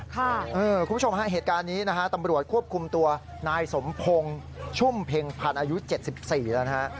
คุณผู้ชมฮะเหตุการณ์นี้นะฮะตำรวจควบคุมตัวนายสมพงศ์ชุ่มเพ็งพันธ์อายุ๗๔แล้วนะฮะ